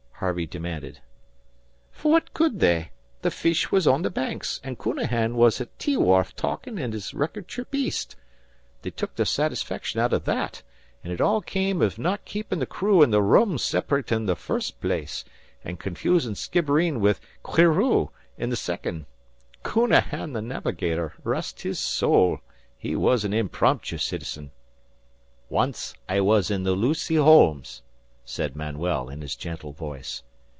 Harvey demanded. "Fwhat could they? The fish was on the Banks, an' Counahan was at T wharf talkin' av his record trip east! They tuk their satisfaction out av that, an' ut all came av not keepin' the crew and the rum sep'rate in the first place; an' confusin' Skibbereen wid 'Queereau, in the second. Counahan the Navigator, rest his sowl! He was an imprompju citizen!" "Once I was in the Lucy Holmes," said Manuel, in his gentle voice.